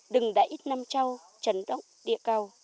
đừng đẩy ít năm trau trấn động địa cao